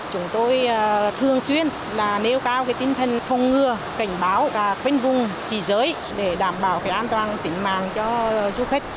chúng tôi thường xuyên nêu cao tinh thần phong ngừa cảnh báo và khuyên vùng chỉ giới để đảm bảo an toàn tỉnh mạng cho du khách